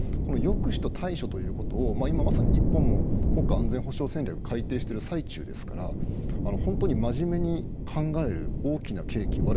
抑止と対処ということを今まさに日本も国家安全保障戦略を改定している最中なので本当に真面目に考える大きな契機